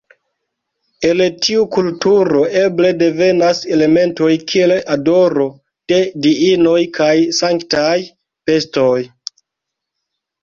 El tiu kulturo eble devenas elementoj kiel adoro de diinoj kaj sanktaj bestoj.